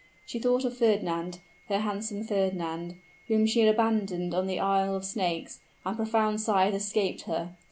She thought of Fernand, her handsome Fernand, whom she had abandoned on the Isle of Snakes, and profound sighs escaped her.